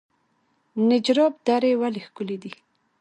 نجراب درې ولې ښکلې دي؟